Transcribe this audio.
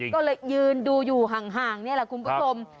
ก็เลยยืนดูอยู่ห่างนี่แหละคุณผู้ชม